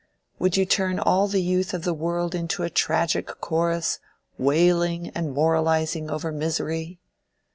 Would you turn all the youth of the world into a tragic chorus, wailing and moralizing over misery?